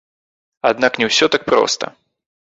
Аднак не ўсё так проста.